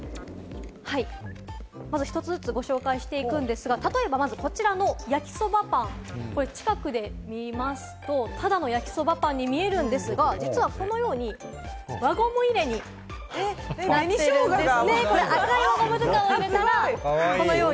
１つずつご紹介していくんですが、例えば、まずこちらの焼きそばパン、近くで見ますと、ただの焼きそばパンに見えるんですが、実はこのように輪ゴム入れになっているんです。